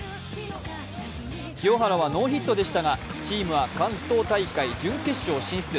清原はノーヒットでしたが、チームは関東大会準決勝進出。